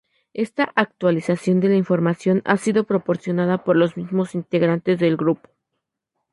Esta 'actualización' de la información ha sido proporcionada por los mismos integrantes del grupo.